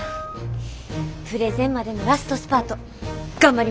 プレゼンまでのラストスパート頑張りましょう！